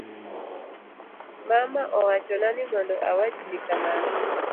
Mama owachona ni mondo awachni kamano